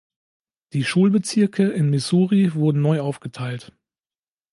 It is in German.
Die Schulbezirke in Missouri wurden neu aufgeteilt.